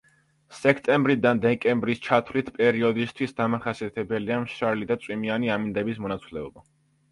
სექტემბრიდან დეკემბრის ჩათვლით პერიოდისთვის დამახასიათებელია მშრალი და წვიმიანი ამინდების მონაცვლეობა.